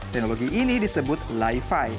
teknologi ini disebut li fi